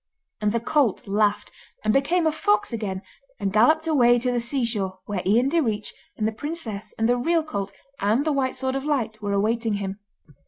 And the colt laughed, and became a fox again and galloped away to the sea shore, where Ian Direach, and the princess and the real colt and the White Sword of Light were awaiting him.